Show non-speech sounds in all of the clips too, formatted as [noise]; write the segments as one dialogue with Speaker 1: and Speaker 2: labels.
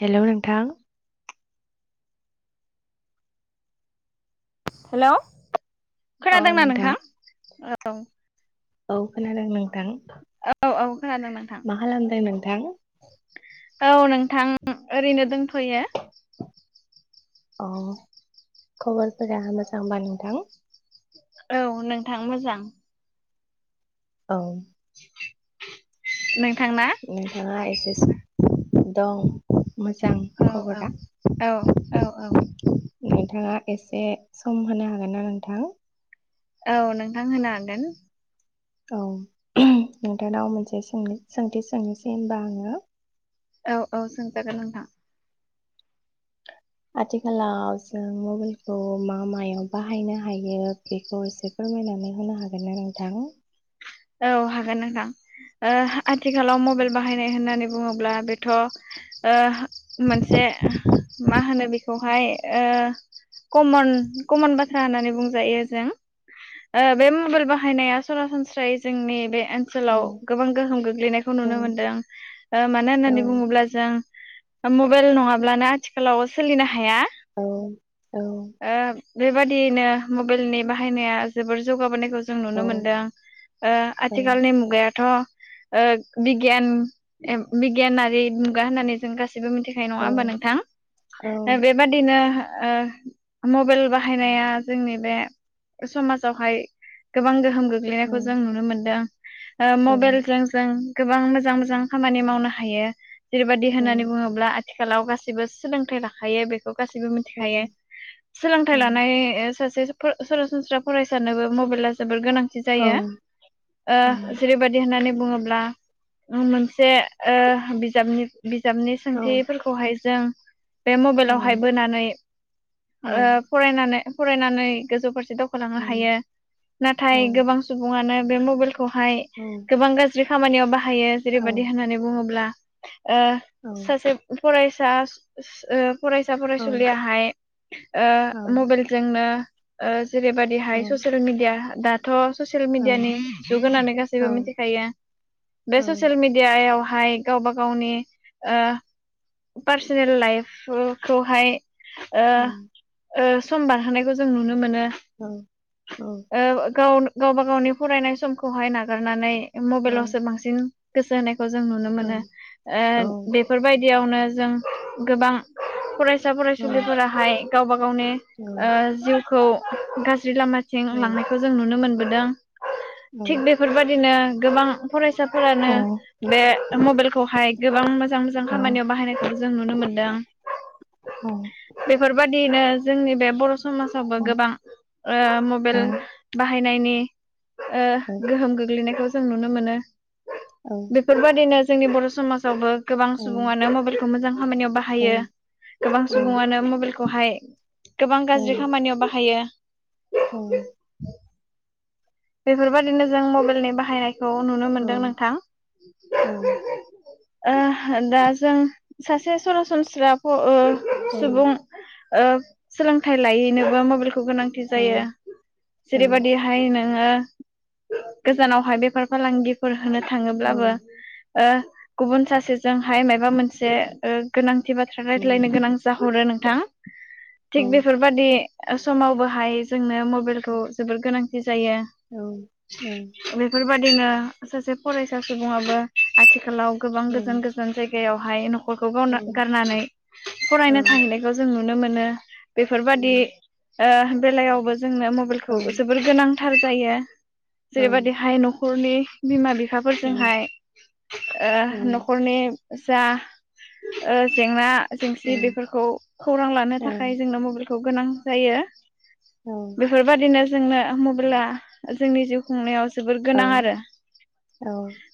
Speaker 1: हेल' नोंथां
Speaker 2: हेल' खोनादोंना नोंथां ओ औ
Speaker 1: औ खोनादों नोंथां
Speaker 2: औ औ खोनादों नोंथां
Speaker 1: मा खालामदों नोंथां
Speaker 2: औ नोंथां ओरैनो दोंथ'
Speaker 1: औ खबरफोरा मोजांबा नोंथां
Speaker 2: औ नोंथां मोजां
Speaker 1: औ
Speaker 2: नों
Speaker 1: नोंथाङा एसे सम दं मोजां
Speaker 2: औ औ
Speaker 1: खबरा
Speaker 2: औ औ औ
Speaker 1: नोंथाङा एसे सम होनो हागोन ना नोंथां
Speaker 2: औ नोंथां होनो हागोन
Speaker 1: औ नोंथांनाव मोनसे सों सोंथि सोंनोसै होनबा आङो
Speaker 2: औ औ सोंजागोन नोंथां
Speaker 1: आथिखालाव जों मबाइलखौ मा मायाव बाहायनो हायो बेखौ एसे फोरमायनानै होनो हागोन ना नोंथां
Speaker 2: औ हागोन नोंथां ओ आथिखालाव मबाइल बाहायनाय होननानै बुङोब्ला बेथ' ओ मोनसे मा होनो बेख खौहाय ओ कमन कमन बाथ्रा होननानै बुंजायो जों बे ओ मबाइल बाहायनाया सरासनस्रायै जोंनि बे ओनसोलाव गोबां गोहोम गोग्लैनायखौ
Speaker 1: नोंथां औ
Speaker 2: नुनो मोनदों ओ मानो होननानै बुङोब्ला जों मबाइल नङाब्लानो आथिखालाव सोलिनो हाया
Speaker 1: औ औ
Speaker 2: ओ बेबादियैनो मबाइलनि बाहायनाया जोबोर जौगाबोनायखौ जों
Speaker 1: औ
Speaker 2: नुनो मोनदों ओ
Speaker 1: औ
Speaker 2: आथिखालनि मुगाया थ' ओ बिगियान एब बिगियानारि मुगा होननानै जों गासै जेबो मिथिखायो नङा होमबा नोंथां बेबादिनो ओ मबाइल बाहायनाया जोंनि बे समाजावहाय गोबां गोहोम गो खौ जों नुनो मोनदों ओ मबाइल जों गोबां मोजां मोजां खामानि मावनो हायो जेरैबायदि होननानै बुङोब्ला आथ आथिखालाव गासैबो सोलोंथाइ लाखायो बे गासैबो मिथिखायो सोलोंथाइ लानाय ओ सास जे फो सरासनस्रा फरायसनोबो मबाइला जोबोर गोनां बिदि जायो ओ जेरैबायदि होननानै बुङोब्ला मोनसे ओ बिजाबनि बिजाबनि सोंथिफोरखौहाय जों बे मबाइलावहाय बोनानै ओ फरायनानै फरायनानै गोजौ फारसे दावखोलांनो हायो नाथाय गोबां बुङानो बे मबाइलखौ हाय गोबां गाज्रि खामानियाव बाहाय हायो जेरैबायदि होननानै बुङोब्ला [inaudible] ओ सासे फरायसा ओ फरायसा फरायसुलियाहाय ओ मबाइलजोंनो ओ जेरैबादिहाय ससियेल मिडिया दाथ' ससियेल मिडियानि जुग होननानै गासैबो मिथिखायो बे ससियेल मिडियायाव हाय गावबा गावनि ओ पार्सनेल लाइफखौहाय ओ ओ सम बारहोनायखौ जों नुनो मोनो आ गाव गावबा गावनि फरायनाय समखौहाय नागारनानै मबाइलावसो बांसिन गोसो होनाय़ खौ जों नुनो मोनो ओ बेफोरबायदि आवनो जों गोबां फरायसा फरायसा फरायसुलिफोराहाय गावबा गावनि ओ जिउ खौ गाज्रि ज्रि लामाथिं लांनायखौ जों नुनो मोनबोदों दों थिग बेफोरबादिनो गोबां फरायसा साफोरानो बे मबाइलखौहाय गोबां मोजां मोजां खामानियाव बाहायनायखौबो जों नुनो मोनदों बेफोरबायदियैनो जोंनि बे बर' समाजावबो गोबां ओ मबाइल बाहाय बाहायनायनि ओ गोहोम गोग्लैनायखौ जों नुनो मोनो। बेफोरबादिनो जोंनि बर' समाजावबो गोबां सुबुङानो मबाइलखौ मोजां खामानियाव बाहायो गोबां सुबुङानो मबाइलखौ हाय गोबां गाज्रि खामानियाव बाहायो।
Speaker 1: औ
Speaker 2: बेफोरबायाददिनो जों मबाइलनि बाहायनाय खौ नुनो मोनदों नोंथां। ओ दा जों सासे सरासनस्रा फ ओ सुबुं ओ सोलोंथाइ लायैनोबो माबोरै गोनांथि जायो जेरैबायदिहायनो ओ गोजानावहाय बेफार फालांगिफोर होनो थाङोब्लाबो
Speaker 1: मबाइलखौ
Speaker 2: ओ गुबुन सासेजोंहाय मायोबा मोनसे गोनां दि बाथ्राायज्लायनो गोनां जा हरो नोंथां थिग बेफोरबादि समावबोहाय जोंनो मबाइलखौ जबोद गोनांथि जायो
Speaker 1: जों
Speaker 2: बेफोर बाददिनो सासे फरायसा सुबुंआबो आथिखालाव गोबां गोजोन गोजान जाय गायाव हाय नखरखौ गाव गारनानै फरायनो थाहैनायखौ जों नु नुनो मोनो बेफोरबादि ओ बेलायावबो जोंनो मबाइल खौ जोबोर गोनां थार जायो जेरबादिहाय नख नि बिमा बि फिसाफोरजोंहाय ओ न'खरनि जा ओ जेंना जेंसि बेफोरखौ खौरां लानो थाखाय जोंनो मबिल खौ गोनां जायो बेफोरबादिनो जोंनो ओ होमब्ला जोंनि जिउ खुंनायाव जोबोर गोनां आरो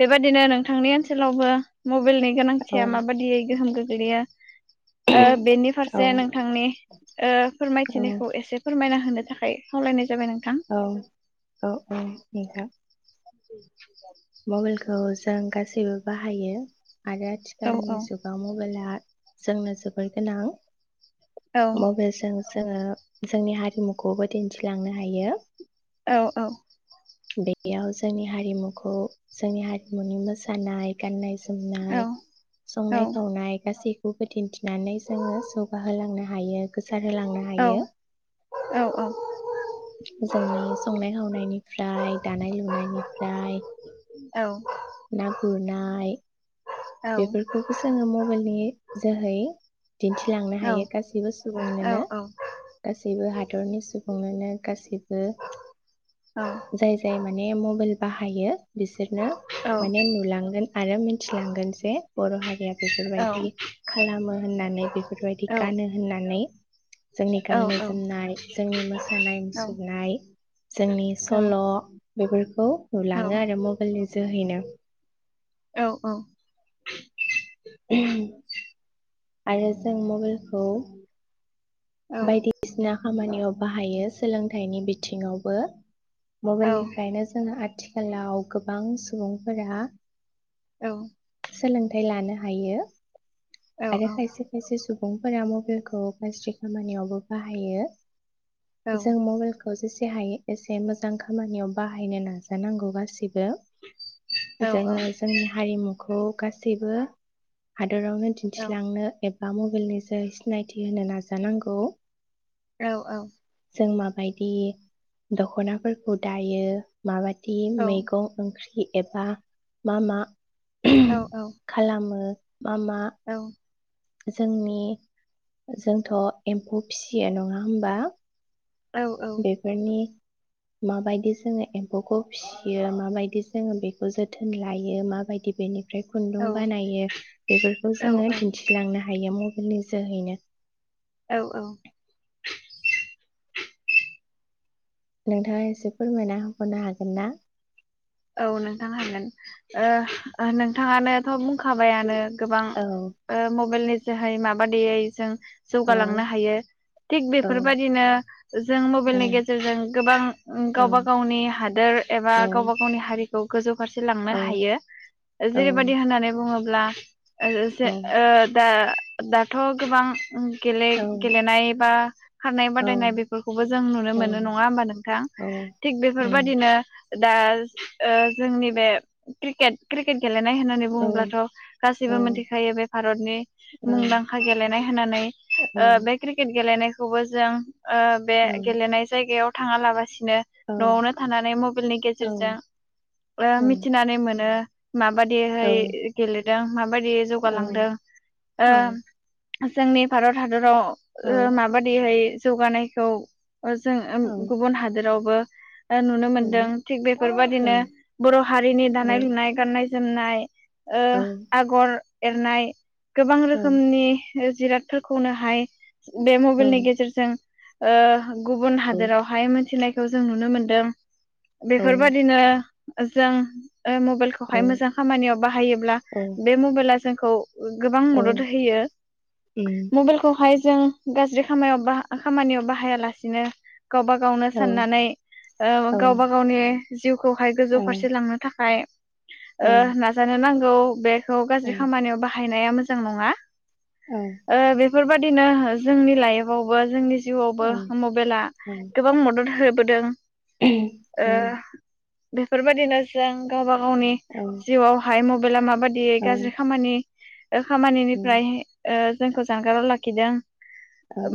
Speaker 2: बेबायदिनो नों थांनि ओनसोलावबो मबा मबाइलनि गोनांथिया माबादियै गोहोम गो [unintelligible] ओ बेनि फारसे नोंथांनि ओ फोरमायथिनायखौ एसे फोरमायना हो होनो थाखाय खावलायनाय जाबाय नोंथां
Speaker 1: औ औ उम [unintelligible]
Speaker 2: [inaudible] [inaudible]
Speaker 1: जों गासैबो बाहायो। आरो
Speaker 2: औ
Speaker 1: आथिखालनि जुगाव मबाइला जोंनो जोबोर गोनां
Speaker 2: औ
Speaker 1: मबेलजों जोङो जोंनि हारिमुखौबो दिन्थिलांनो हायो।
Speaker 2: औ औ।
Speaker 1: बेयाव जोंनि हारिमुखौ। जोंनि हारिमुनि मोसानाय गान्नायनाय
Speaker 2: औ
Speaker 1: जोमनाय संनाय-खावनाय गासि दिन्थिनानै जोङो जौगाहोलांनो हायो। सार होलांनो
Speaker 2: औ
Speaker 1: हायो।
Speaker 2: औ
Speaker 1: जोंनि संनाय खावनायनिफ्राय दानाय-लुनायनिफ्राय
Speaker 2: औ।
Speaker 1: ना गुरनाय बेफोरखौबो जोङो मबाइलनि जोहै दिन्थिलांनो
Speaker 2: औ
Speaker 1: हायो गासैबो
Speaker 2: औ
Speaker 1: सुबुंनोनो गासैबो हादरनि सुबुंआनो गासैबो जाय जाय माने मबाइल बाहायो बिसोरनो
Speaker 2: औ
Speaker 1: माने नुलांगोन आरो मिथिलांगोन जे बर' हारिया बेफोरबायदि खालामो होननानै बेफोरबायदि गानो होननानै। जोंनि
Speaker 2: औ
Speaker 1: गाननाय
Speaker 2: औ
Speaker 1: जोमनाय जोंनि मोसानाय
Speaker 2: औ
Speaker 1: मुसुरनाय जोंनि
Speaker 2: औ
Speaker 1: सल' बेफोरखौ
Speaker 2: औ
Speaker 1: नुलाङो आरो मबाइलनि जोहैनो।
Speaker 2: औ औ।
Speaker 1: [inaudible] आरो जों मबाइलखौ
Speaker 2: औ
Speaker 1: बायदिसिना खामानियाव बाहायो सोलोंथाइनि बिथिङावबो
Speaker 2: औ
Speaker 1: मबाइल निफ्रायनो जोङो आथिखालाव गोबां सुबुंफोरा
Speaker 2: औ।
Speaker 1: सोलोंथाइ लानो हायो।
Speaker 2: औ
Speaker 1: आरो
Speaker 2: औ
Speaker 1: खायसे खायसे सु फोरा मबेलखौ खामानियावबो बाहायो जों मबाइलखौ खौ जेसे हायो एसे मोजां खामानियाव बाहायनो नाजानांगौ गासिबो
Speaker 2: औ
Speaker 1: जोङो जोंनि हारिमुखौ खौ गासैबो हादोरावनो
Speaker 2: औ
Speaker 1: दिन्थिलांनो एब बा मबाइलनि जो सिनायथि होनो नाज जानांगौ
Speaker 2: औ औ
Speaker 1: जों माबायदि दखनाफोरखौ दायो माबाय दि मैगं ओंख्रि एबा मा मा खालामो मामा जोंनि जोंथ' एम्फौ फिसियो नङा होमबा? बेफोरनि माबायदि जोङो एम्फौखौ फियो माबायदि जोङो बेखौ जोथोन लायो माबायदि बेनि ओमफ्राय खुन्दुं बानायो बेफोरखौ
Speaker 2: औ
Speaker 1: जोङो दिन्थिलांनो हायो। नि जाहैनो
Speaker 2: औ औ
Speaker 1: नोंथाङा एसे फोरमायना हरनो हागोन ना?
Speaker 2: औ नोंथां हागोन ओ नोंथाङानोथ' बुं खाबायनो गोबां
Speaker 1: औ
Speaker 2: ओ मबेल जोहाय माबादेहाय जों
Speaker 1: औ
Speaker 2: जौगालांनो हायो थिग
Speaker 1: औ
Speaker 2: बेफोरबायदिनो जों मबाइलनि
Speaker 1: औ
Speaker 2: गेजेरजों गोबां
Speaker 1: औ
Speaker 2: गावबा गावनि हादोर एबा गावबा गाव हारिखौ गोजौ फारसे लांनो
Speaker 1: औ
Speaker 2: हायो
Speaker 1: औ
Speaker 2: जेरैबायदि होननानै बुङो ब्ला ओ
Speaker 1: औ
Speaker 2: [unintelligible] दा दाथ' गोबां उम गेले गेलेनाय बा खारनाय बादायनाय बेफोरखौबो जों नुनो
Speaker 1: औ
Speaker 2: मोनो नङा होमबा नोंथां
Speaker 1: औ
Speaker 2: थिग
Speaker 1: उम
Speaker 2: बेफोरबायदिनो दाल ओ जोंनि बे क्रिकेट क्रिकेट गेलेनाय होननानै
Speaker 1: औ
Speaker 2: बुङोब्लाथ'
Speaker 1: औ
Speaker 2: गासैबो मिथिखायो बे भारतनि
Speaker 1: औ
Speaker 2: मुंदांखा गेलेनाय होननानै
Speaker 1: औ
Speaker 2: ओ बे क्रिकेट गेलेनाय खौबो जों ओ बे
Speaker 1: औ
Speaker 2: गेलेनाय जायगायाव थाङालाबासि नो न'आवनो थानानै मबाइलनि गेजेरजों
Speaker 1: औ
Speaker 2: मिथिनानै मोन नो माबादिहाय गेल दों माबायदि जौगालांदों ओ जोंनि भारत हादराव ओ
Speaker 1: औ
Speaker 2: माबादि हाय जौगानायखौ ओ जों
Speaker 1: औ
Speaker 2: गुबुन हादोरावबो [inaudible] ओ नुनो मोन्दों थिग बेफोरबादि नो बर' हारिनि दानाय लुनाय गान गाननाय जोमनाय ओ आगर एरनाय गोबां रोखोमनि जिरादफोरखौनो हाय बे मबाइलनि गेजेरजों ओ गुबुन हादोरावहाय मिथिनाय खौ जों नुनो मोनदों
Speaker 1: औ
Speaker 2: ओ‌ जों ओ मबाइलखौहाय मोजां खामानियाव बाहायोब्ला बे मबाइला जोंखौ गोबां मदद होयो मबाइलखौहाय जों गाज्रि खाम खामानियाव बाहायालासिनो गावबा गावनो साननानै ओ गावबा गावनि जिउखौहाय गोजौ फारसे लांनो थाखाय ओ नाजानो नां गौ बे थ गाज्रि खामानियाव बाहा बाहायनाया मोजां नङा ओ बेफोरबायदिनो जोंनि लाइफआवबो जोंनि जिउआवबो मबाइला गोबां मदद हो बोदों
Speaker 1: औ
Speaker 2: बेफोरबायदिनो जों गावबा गावनि जिउआव हाय म [unintelligible] बादियै गाज्रि खामानि ओ खामानिनिफ्राय ओ जोंखौ जानगाराव लाखिदों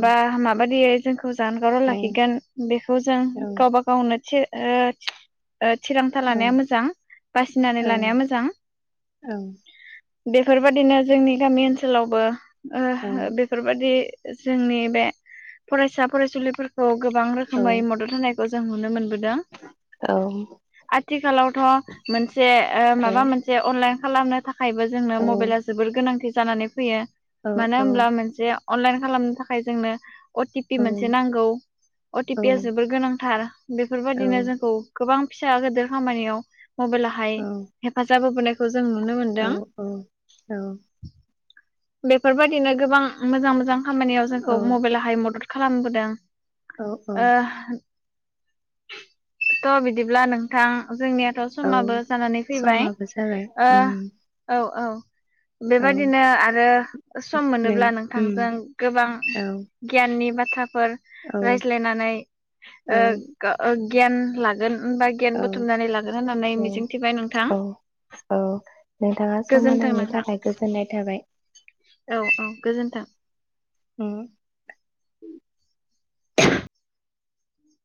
Speaker 2: बा माबादियै खौ जानगाराव लाखिगोन बेखौ जों गावबा गावनो थि ओ ओ थिरांथा लानाया मोजां बासिनानै लानाया मोजां बेफोरबादिनो जोंनि गामि ओनसोलावबो ओ हो बेफोरबादि जोंनि बे फरायसा फरायसुलिफोरखौ गोबां रोखोमै मदद होनायखौ जों नुनो मोनबो दों आथिखालावथ' मोनसे ओ माबा मोनसे अनलाइन खालामनो थाखा थाखायबो जोंनो मबाइला जोबोर गोनांथि जानानै फैयो मानो होमब्ला मोनसे अनलाइन खालामनो थाखाय जोंनो अ टि पि मोनसे नांगौ अटि पिया जोबोर गोनांथार बेफोरबादिनो जोंखौ गोबां फिसा गेदेर खामानियाव मबाइलाहाय हेफाजाब होबोनाय जों नुनो मोनदों बेफोर बायदिनो गोबां मोजां मोजां खामानियाव जोंखौ मबाइलाहाय मदद खालामबोदों ओ थ' बिदिब्ला नोंथां जोंनियाथ'
Speaker 1: औ
Speaker 2: समाबो जानानै फैबाय
Speaker 1: समाबो जाबाय
Speaker 2: ओ
Speaker 1: उम
Speaker 2: औ औ
Speaker 1: औ
Speaker 2: बेबायदिनो आरो सम
Speaker 1: नों
Speaker 2: मोनोब्ला
Speaker 1: उम
Speaker 2: नोंथांजों गोबां
Speaker 1: औ
Speaker 2: गियाननि बाथ फोर
Speaker 1: औ
Speaker 2: रायज्लायनानै ओ ओ गियान ला होमबा गियान
Speaker 1: औ
Speaker 2: बुथुमनानै लागोन होननानै
Speaker 1: औ
Speaker 2: मिजिंथिबाय नोंथां
Speaker 1: औ औ नोंथाङा सम
Speaker 2: गोजोनथों
Speaker 1: होनायनि
Speaker 2: नोंथां।
Speaker 1: थाखाय गोजोननाय थाबाय
Speaker 2: औ औ गोजोन्थों।
Speaker 1: ओं